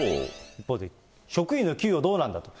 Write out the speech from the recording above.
一方で、職員の給与、どうなんだと。